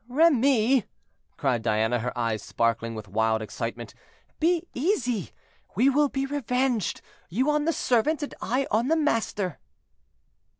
"Remy," cried Diana, her eyes sparkling with wild excitement, "be easy, we will be revenged; you on the servant, and I on the master."